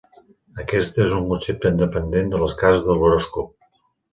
Aquest és un concepte independent de les cases de l"horòscop.